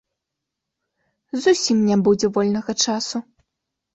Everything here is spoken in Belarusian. Зусім не будзе вольнага часу.